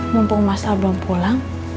mumpung masal belum pulang